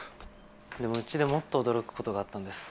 でもうちでもっと驚くことがあったんです。